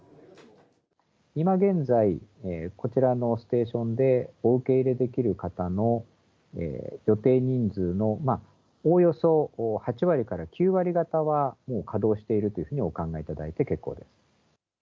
今現在、こちらのステーションでお受け入れできる方の予定人数の、おおよそ８割から９割方は、もう稼働しているというふうにお考えいただいて結構です。